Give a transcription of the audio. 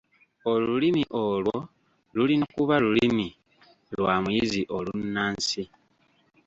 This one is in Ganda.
Olulimi olwo lulina kuba Lulimi lwa muyizi olunnansi.